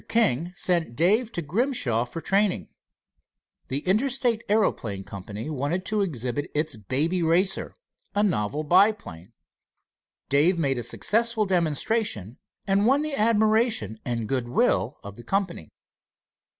King sent Dave to Grimshaw for training. The Interstate Aeroplane Co. wanted to exhibit its Baby Racer, a novel biplane. Dave made a successful demonstration, and won the admiration and good will of the company.